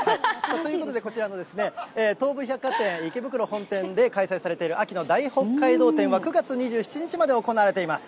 ということで、こちらの東武百貨店池袋本店で開催されている、秋の大北海道展は、９月２７日まで行われています。